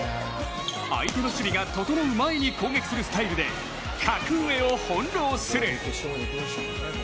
相手の守備が整う前に攻撃するスタイルで格上を翻弄する。